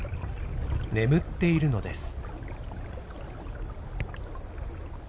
眠っているのです。